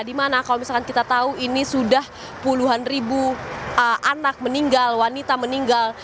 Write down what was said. dimana kalau misalkan kita tahu ini sudah puluhan ribu anak meninggal wanita meninggal